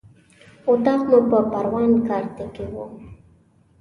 اطاق مو په پروان کارته کې و.